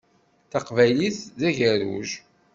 Taqbaylit d agerruj.